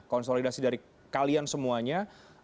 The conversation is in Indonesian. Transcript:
konsolidasi dari kalian semuanya